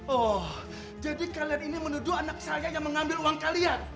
oh jadi kalian ini menuduh anak saya yang mengambil uang kalian